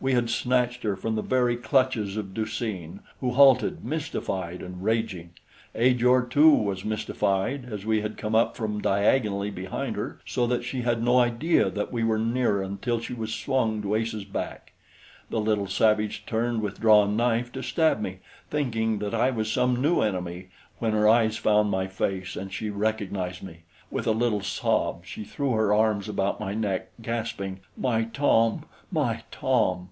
We had snatched her from the very clutches of Du seen, who halted, mystified and raging. Ajor, too, was mystified, as we had come up from diagonally behind her so that she had no idea that we were near until she was swung to Ace's back. The little savage turned with drawn knife to stab me, thinking that I was some new enemy, when her eyes found my face and she recognized me. With a little sob she threw her arms about my neck, gasping: "My Tom! My Tom!"